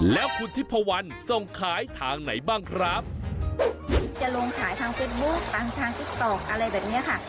แล้วคุณทิพวันส่งขายทางไหนบ้างครับจะลงขายทางเฟซบุ๊คทางทางติ๊กต๊อกอะไรแบบเนี้ยค่ะ